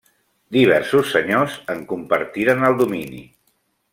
Diversos senyors en compartiren el domini.